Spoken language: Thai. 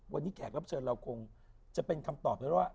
วันนี้แขกรับเชิญเราคงจะเป็นคำตอบเลยว่า